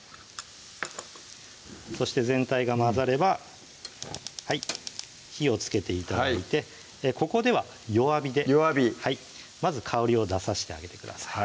そして全体が混ざれば火をつけて頂いてここでは弱火で弱火まず香りを出さしてあげてください